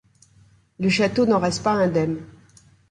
Le château n’en reste pas indemne.